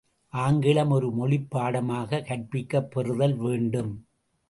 ஆங்கிலம் ஒரு மொழிப் பாடமாகக் கற்பிக்கப் பெறுதல் வேண்டும்.